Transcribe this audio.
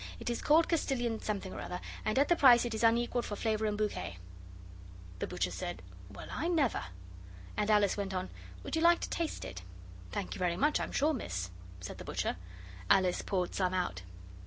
It is called Castilian something or other, and at the price it is unequalled for flavour and bouquet.' The butcher said, 'Well I never!' And Alice went on, 'Would you like to taste it?' 'Thank you very much, I'm sure, miss,' said the butcher. Alice poured some out.